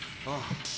ああ。